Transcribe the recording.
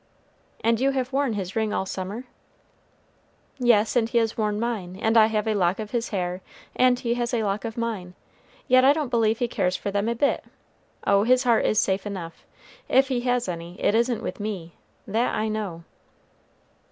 "And you have worn his ring all summer?" "Yes, and he has worn mine; and I have a lock of his hair, and he has a lock of mine; yet I don't believe he cares for them a bit. Oh, his heart is safe enough. If he has any, it isn't with me: that I know."